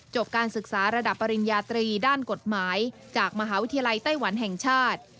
การศึกษาระดับปริญญาตรีด้านกฎหมายจากมหาวิทยาลัยไต้หวันแห่งชาติ